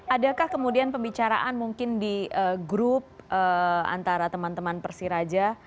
adakah kemudian pembicaraan mungkin di grup antara teman teman persiraja